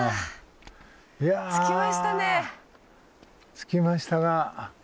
着きましたが。